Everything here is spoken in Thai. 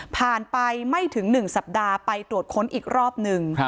ไปไม่ถึง๑สัปดาห์ไปตรวจค้นอีกรอบหนึ่ง